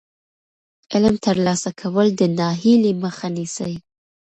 علم ترلاسه کول د ناهیلۍ مخه نیسي.